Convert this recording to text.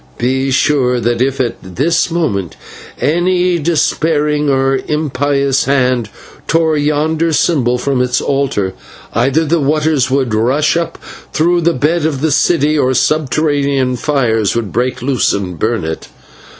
Be sure that if at this moment any despairing or impious hand tore yonder symbol from its altar, either the waters would rush up through the bed of the city, or subterranean fires would break loose and burn it.